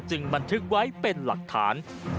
บันทึกไว้เป็นหลักฐาน